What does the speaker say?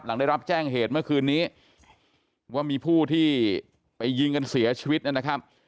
หลังได้รับแจ้งเหตุเมื่อคืนนี้ว่ามีผู้ที่ไปยิงกันเสียชีวิตนะครับ